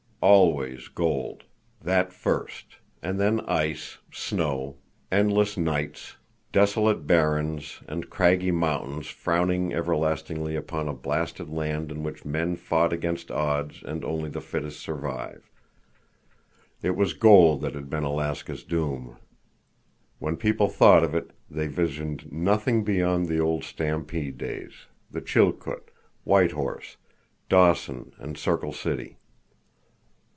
Always gold—that first, and then ice, snow, endless nights, desolate barrens, and craggy mountains frowning everlastingly upon a blasted land in which men fought against odds and only the fittest survived. It was gold that had been Alaska's doom. When people thought of it, they visioned nothing beyond the old stampede days, the Chilkoot, White Horse, Dawson, and Circle City.